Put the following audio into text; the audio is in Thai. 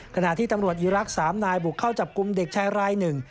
ขณะที่ตำรวจอีรักษ์๓นายบุกเข้าจับกลุ่มเด็กชายรายหนึ่ง